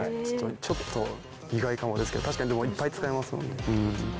ちょっと意外かもですけど確かにいっぱい使いますもんね。